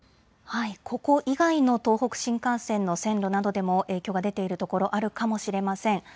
ここ以外の東北新幹線の線路などでも影響が出ているところ、あるかもしれません。